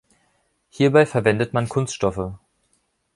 Hierbei verwendet man Kunststoffe.